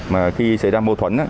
mà khi xảy ra mâu thuẫn